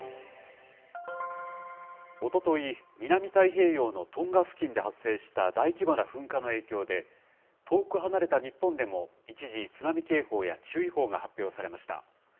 おととい、南太平洋のトンガ付近で発生した大規模な噴火の影響で、遠く離れた日本でも一時、津波警報や注意報が発表されました。